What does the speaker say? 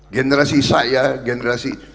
generasi saya generasi